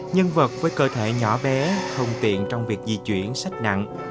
nhân vật với cơ thể nhỏ bé thông tiện trong việc di chuyển sách nặng